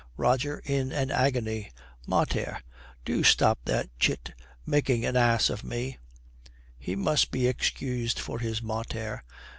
ROGER, in an agony, 'Mater, do stop that chit making an ass of me.' He must be excused for his 'mater.'